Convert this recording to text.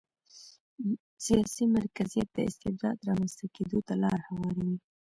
سیاسي مرکزیت د استبداد رامنځته کېدو ته لار هواروي.